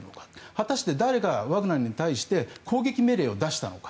果たして誰がワグネルに対して攻撃命令を出したのか。